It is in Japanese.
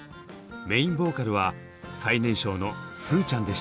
メインボーカルは最年少のスーちゃんでした。